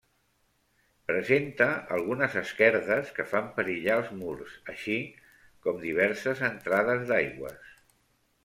Presenta algunes esquerdes que fan perillar els murs així com diverses entrades d'aigües.